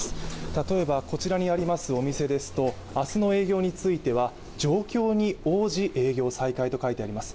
例えばこちらにあるお店ですと明日の営業については状況に応じ営業再開と書かれています。